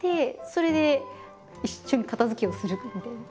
それで一緒に片づけをするみたいな。